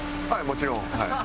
もちろん。